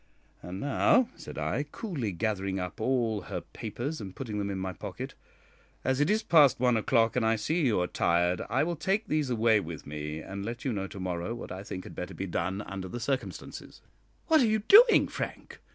And now," said I, coolly, gathering up all her papers and putting them in my pocket, "as it is past one o'clock, and I see you are tired, I will take these away with me, and let you know to morrow what I think had better be done under the circumstances." "What are you doing, Frank?